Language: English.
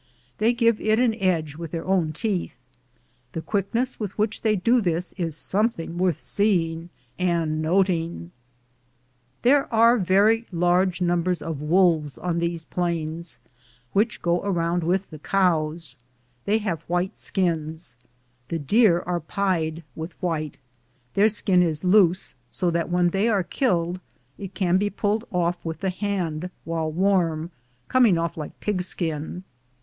They give it an edge with their own teeth. The quickness with which they do this is something worth seeing and noting. ligirized I:, G00gk' ADOf THE JOURNEY OF CORON, There are very great numbers of ^rolves on these plains, which go around with the cows. They have white skins. The deer are pied with white. Their skin is loose, so that when they are killed it can be pulled off with the hand while warm, coming off like pigskin.